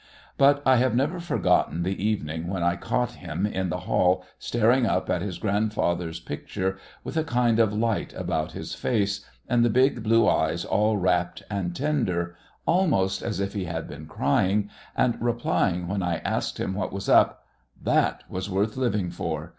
But I have never forgotten the evening when I caught him in the hall, staring up at his grandfather's picture, with a kind of light about his face, and the big blue eyes all rapt and tender (almost as if he had been crying) and replying, when I asked him what was up: "That was worth living for.